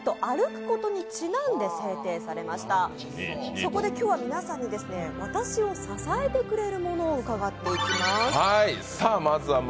そこで今日は皆さんに私を支えてくれるものを伺っていきます。